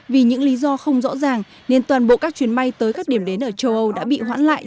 vì những lý do không rõ ràng nên toàn bộ các chuyến bay tới các điểm đến ở châu âu đã bị hoãn lại